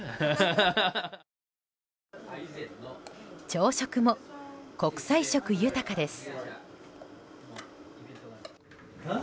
朝食も、国際色豊かです。